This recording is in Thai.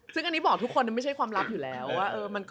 แต่ก็มีรูปใหญ่อยู่กลางบ้านน่ะ